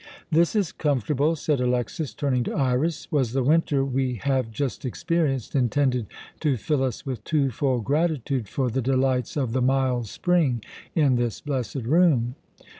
"This is comfortable," said Alexas, turning to Iras. "Was the winter we have just experienced intended to fill us with twofold gratitude for the delights of the mild spring in this blessed room?"